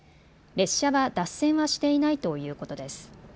列車は脱線はしていないということです。